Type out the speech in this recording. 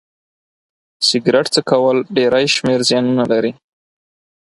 سيګرټ څکول ډيری شمېر زيانونه لري